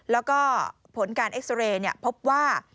แล้วก็ผลการเอ็กซาเรย์พบว่า